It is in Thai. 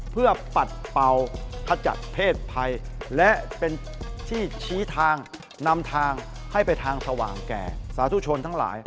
เพื่อปัดเป่าขจัดเพศภัยและเป็นที่ชี้ทางนำทางให้ไปทางสว่างแก่สาธุชนทั้งหลาย